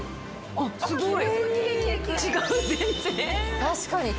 ああすごい。